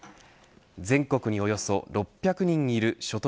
全国におよそ６００人いる所得